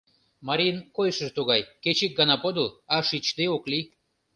Марийын койышыжо тугай: кеч ик гана подыл, а шичде ок лий.